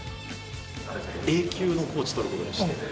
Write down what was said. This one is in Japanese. Ａ級のコーチ取ることにして。